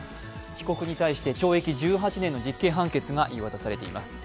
被告に対して懲役１８年の実刑判決が言い渡されています。